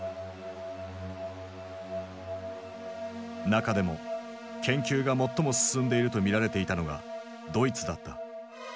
中でも研究が最も進んでいると見られていたのがドイツだった。